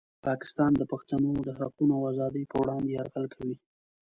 پاکستان د پښتنو د حقونو او ازادۍ په وړاندې یرغل کوي.